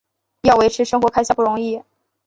要维持生活开销不容易